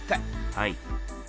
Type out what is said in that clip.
はい。